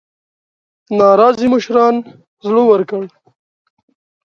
ناراضي مشران زړه ورکړل.